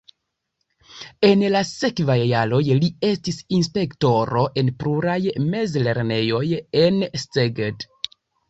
En la sekvaj jaroj li estis inspektoro en pluraj mezlernejoj en Szeged.